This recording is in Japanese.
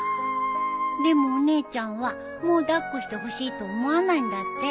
でもお姉ちゃんはもう抱っこしてほしいと思わないんだって。